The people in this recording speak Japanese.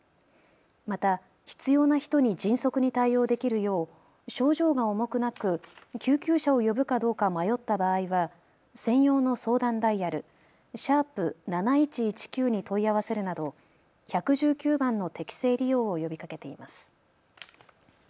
また必要な人に迅速に対応できるよう、症状が重くなく救急車を呼ぶかどうか迷った場合は専用の相談ダイヤル＃７１１９に問い合わせるなど１１９番の適正利用を呼びかけています。